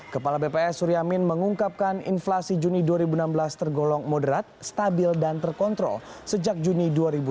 kepala bps suryamin mengungkapkan inflasi juni dua ribu enam belas tergolong moderat stabil dan terkontrol sejak juni dua ribu delapan belas